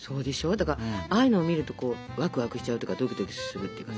だからああいうの見るとワクワクしちゃうとかドキドキするっていうかさ。